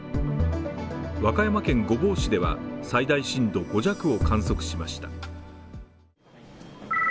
和歌山県御坊市では最大震度５弱を観測しました。